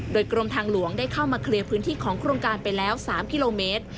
โดยกรมทางหลวงได้เข้ามาเคลียร์พื้นที่ของโครงการไปแล้ว๓กิโลเมตร